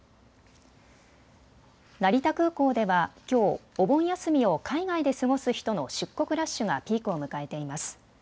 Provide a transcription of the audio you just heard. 成田空港ではきょうお盆休みを海外で過ごす人の出国ラッシュがピークを迎えています。